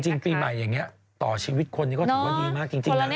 จริงปีใหม่อย่างนี้ต่อชีวิตคนนี้ก็ถือว่าดีมากจริงนะ